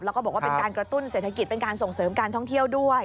แล้วก็บอกว่าเป็นการกระตุ้นเศรษฐกิจเป็นการส่งเสริมการท่องเที่ยวด้วย